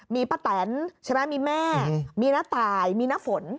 มีป้าแตนใช่ไหมมีแม่มีน้าตายมีน้าฝน